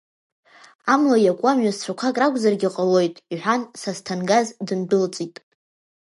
Амла иакуа мҩасцәақәак ракәзаргьы ҟалоит, – иҳәан Сасҭангаз, дындәылҵит.